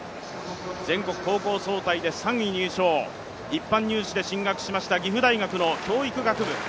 全国高校総体で３位入賞、一般入試で進学しました、岐阜大学の教育学部。